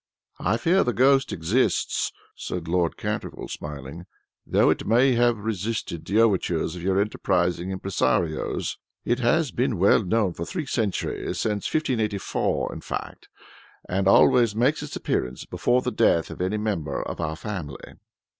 "I fear that the ghost exists," said Lord Canterville, smiling, "though it may have resisted the overtures of your enterprising impresarios. It has been well known for three centuries, since 1584 in fact, and always makes its appearance before the death of any member of our family."